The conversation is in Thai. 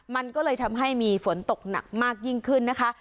มันก็เลยทำให้มีฝนตกหนักมากยิ่งขึ้นนะคะ